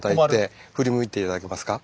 振り向いて頂けますか？